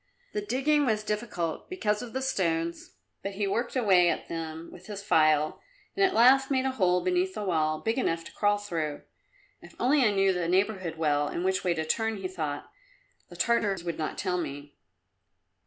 The digging was difficult because of the stones, but he worked away at them with his file and at last made a hole beneath the wall big enough to crawl through. "If only I knew the neighbourhood well and which way to turn," he thought; "the Tartars would not tell me."